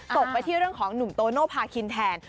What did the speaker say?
ตกไปที่เรื่องของหนุ่มโตโนภาคินแทน